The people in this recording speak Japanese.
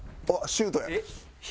『シュート！』。